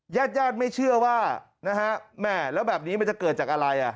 แย่ดไม่เชื่อว่าแล้วแบบนี้มันจะเกิดจากอะไร